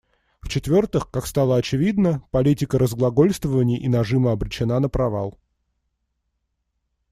В-четвертых, как стало очевидно, политика разглагольствований и нажима обречена на провал.